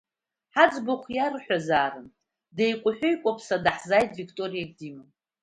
Ҳаӡбахә иарҳәазаарын деикәаҳәыеикәаԥса даҳзааит, Викториагьы диманы.